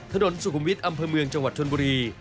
ถนนสุขุมวิทย์อำเภอเมืองจังหวัดชนบุรี